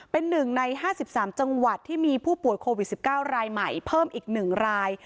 เป็นหนึ่งในห้าสิบสามจังหวัดที่มีผู้ปวดโควิดสิบเก้ารายใหม่เพิ่มอีกหนึ่งราย